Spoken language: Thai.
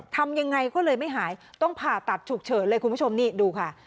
ทำยังไงก็เลยไม่หายต้องผ่าตัดฉุกเฉินเลยคุณผู้ชมนี่ดูค่ะ